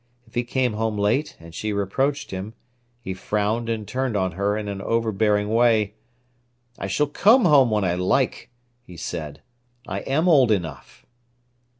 If he came home late, and she reproached him, he frowned and turned on her in an overbearing way: "I shall come home when I like," he said; "I am old enough."